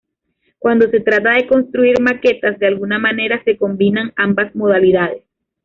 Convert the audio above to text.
Cuando se trata de construir maquetas, de alguna manera se combinan ambas modalidades.